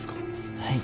はい。